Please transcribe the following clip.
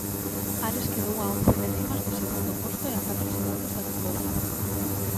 Ares quedou a once décimas do segundo posto e a catro segundos da vitoria.